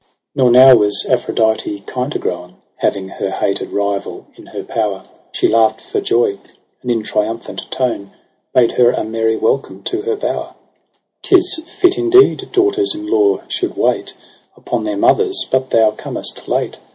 ao Nor now was Aphrodite kinder grown : Having her hated rival in her power. She laught for joy, and in triumphant tone Bade her a merry welcome to her bower :' 'Tis fit indeed daughters in law should wait Upon their mothers ; but thou comest late.